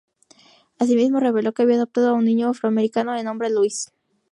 Asimismo reveló que había adoptado a un niño afroamericano de nombre Louis.